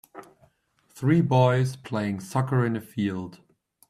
Three boys playing soccer in a field